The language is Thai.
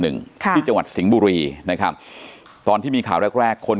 หนึ่งค่ะที่จังหวัดสิงห์บุรีนะครับตอนที่มีข่าวแรกแรกคน